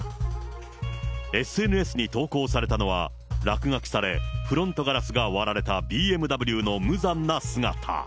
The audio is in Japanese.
ＳＮＳに投稿されたのは、落書きされ、フロントガラスが割られたＢＭＷの無残な姿。